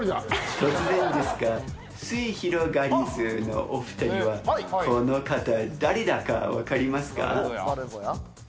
突然ですが、すゑひろがりずのお２人はこの方、誰だか分かりますか？